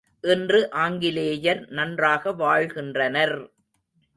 இன்று ஆங்கிலேயர் நன்றாக வாழ்கின்றனர்!